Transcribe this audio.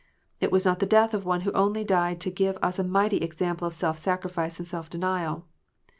It was not the death of one who only died to give us a mighty example of self sacrifice and self denial.